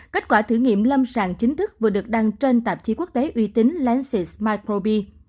kết quả thử nghiệm lâm sàng chính thức vừa được đăng trên tạp chí quốc tế uy tín lance smycrobi